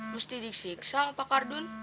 mesti disik sama pak kardun